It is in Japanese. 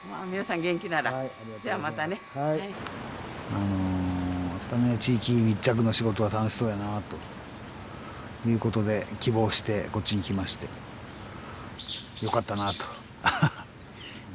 あのやっぱね地域密着の仕事が楽しそうやなということで希望してこっちに来ましてよかったなと。